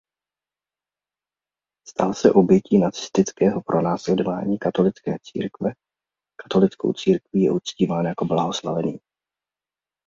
Stal se obětí nacistického pronásledování katolické církve a katolickou církví je uctíván jako blahoslavený.